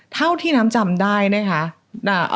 เท่าที่น้ำจำได้นะคะ